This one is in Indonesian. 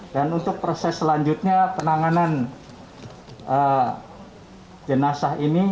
dan untuk proses selanjutnya penanganan jenazah ini